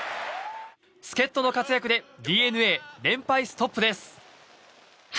助っ人の活躍でＤｅＮＡ、連敗ストップです。